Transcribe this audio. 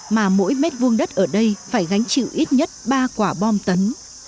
mà mỗi mét vuông đất ở đây phải gánh chịu ít nhất ba quả bom tấn